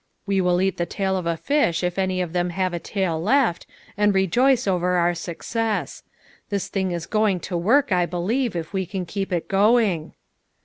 " We will eat the tail of a fish, if any of them have a tail left, and rejoice over our success ; this thing is go ing to work, I believe, if we can keep it going."